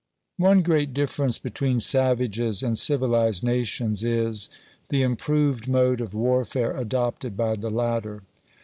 One great difference between savages and civilized nations is, the improved mode of warfare adopted by the latter.